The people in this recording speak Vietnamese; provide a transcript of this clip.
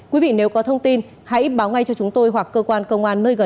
quý vị nếu có thông tin hãy báo ngay cho chúng tôi hoặc cơ quan công an nơi gọi